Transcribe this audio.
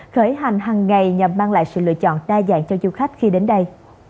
khởi hành hằng ngày nhằm mang lại sự lựa chọn đa dạng cho du khách khi đến đây